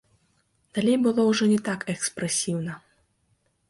Далей было ўжо не так экспрэсіўна.